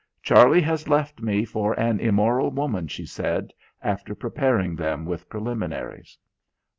"Charlie has left me for an immoral woman," she said, after preparing them with preliminaries.